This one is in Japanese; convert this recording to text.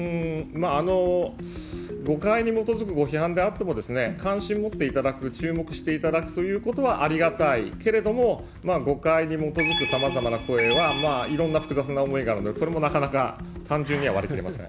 誤解に基づくご批判であっても、関心持っていただく、注目していただくということはありがたいけれども、誤解に基づくさまざまな声は、いろんな複雑な思いがあるので、これもなかなか単純には割り切れません。